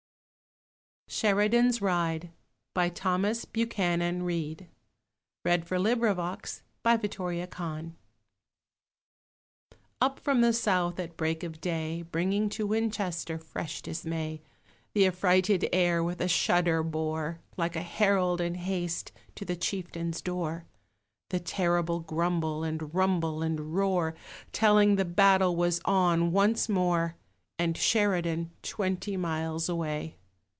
h a view to their being useful to boys who have a taste for recitation._ SHERIDAN'S RIDE Up from the south at break of day, Bringing to Winchester fresh dismay, The affrighted air with a shudder bore, Like a herald in haste, to the chieftain's door, The terrible grumble and rumble and roar, Telling the battle was on once more And Sheridan twenty miles away!